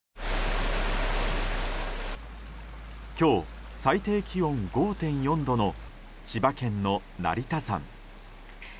今日、最低気温５．４度の千葉県の成田山。